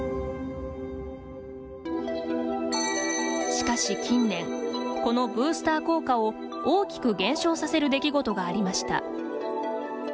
しかし近年このブースター効果を大きく減少させる出来事がありました。